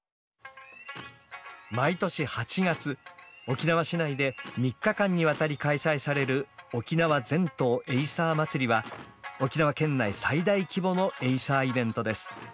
毎年８月沖縄市内で３日間にわたり開催される「沖縄全島エイサーまつり」は沖縄県内最大規模のエイサーイベントです。